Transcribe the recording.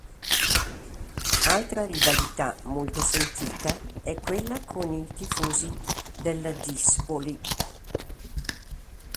Altra rivalità molto sentita è quella con i tifosi del Ladispoli.